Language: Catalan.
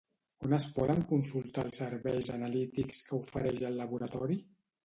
On es poden consultar els serveis analítics que ofereix el laboratori?